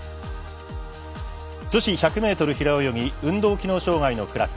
女子１００ｍ平泳ぎ運動機能障がいのクラス。